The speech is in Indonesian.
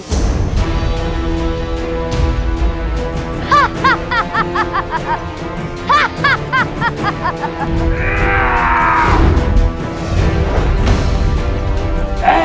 kalian lebih bodoh lagi